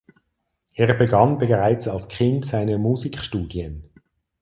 Er begann bereits als Kind seine Musikstudien.